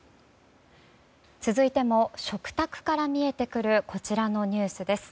続いても食卓から見えてくるこちらのニュースです。